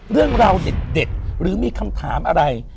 เรื่องราวเด็ดหรือมีคำถามอะไร